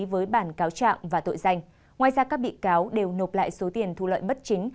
với bản cáo trạng và tội danh ngoài ra các bị cáo đều nộp lại số tiền thu lợi bất chính